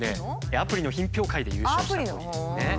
アプリの品評会で優勝したコイですね。